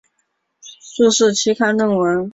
注释期刊论文